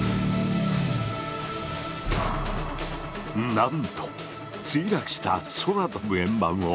なんと墜落した空飛ぶ円盤を発見。